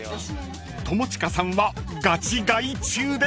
［友近さんはガチ買い中です］